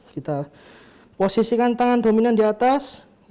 kita posisikan tangan dominan di atas